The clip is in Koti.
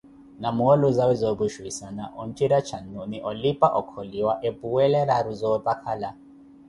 Na moolu zawe zoopuxhuwisana, ootthira cannu ni olipa okholiwa epuwelelaru zootakhala.